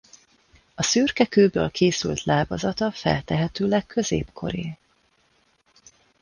A szürke kőből készült lábazata feltehetőleg középkori.